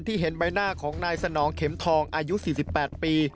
เห็นใบหน้าของนายสนองเข็มทองอายุ๔๘ปี